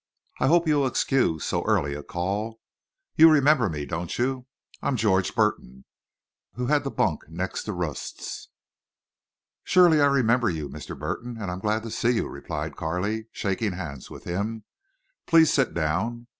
"I hope you'll excuse so early a call. You remember me, don't you? I'm George Burton, who had the bunk next to Rust's." "Surely I remember you, Mr. Burton, and I'm glad to see you," replied Carley, shaking hands with him. "Please sit down.